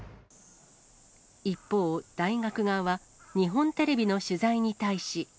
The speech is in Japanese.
一方、大学側は日本テレビの取材に対し。